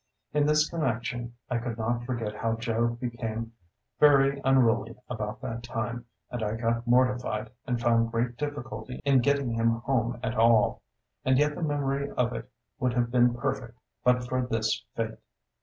In this connection, I could not forget how Joe became very unruly about that time, and I got mortified, and found great difficulty in getting him home at all; and yet the memory of it would have been perfect but for this fate.